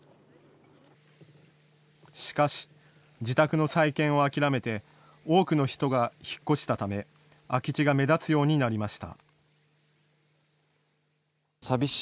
しかし、自宅の再建を諦めて多くの人が引っ越したため空き地が目立つようになりました。